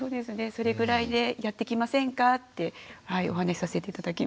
それぐらいでやっていきませんかってお話しさせて頂きます。